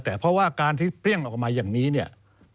แต่เพราะว่าการที่เปรี้ยงออกมาอย่างนี้เนี่ย